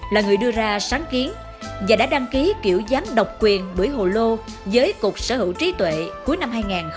là người đưa ra sáng kiến và đã đăng ký kiểu dám độc quyền bưởi hồ lô giới cục sở hữu trí tuệ cuối năm hai nghìn chín